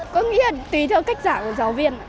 có nghĩa tùy theo cách giảng của giáo viên